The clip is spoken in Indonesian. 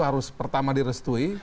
harus pertama direstui